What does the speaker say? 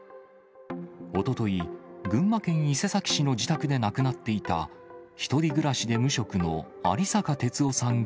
おととい、群馬県伊勢崎市の自宅で亡くなっていた１人暮らしで無職の有坂鉄男さん